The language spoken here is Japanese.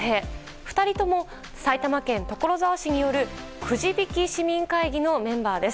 ２人とも埼玉県所沢市によるくじ引き市民会議のメンバーです。